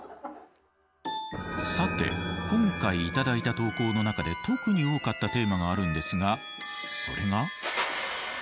さて今回頂いた投稿の中で特に多かったテーマがあるんですがそれがＵＭＡ